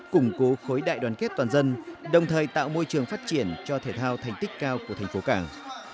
củng cố khối đại đoàn kết toàn dân đồng thời tạo môi trường phát triển cho thể thao thành tích cao của thành phố cảng